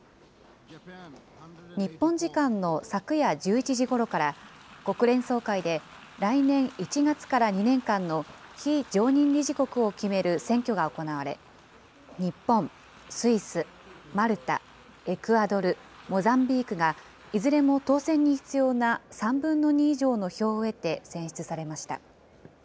日本時間の昨夜１１時ごろから、国連総会で来年１月から２年間の非常任理事国を決める選挙が行われ、日本、スイス、マルタ、エクアドル、モザンビークが、いずれも当選に必要な３分の２以上の票を得て選出されました。